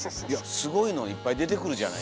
すごいのいっぱい出てくるじゃない。